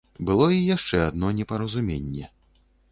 Было і яшчэ адно непаразуменне.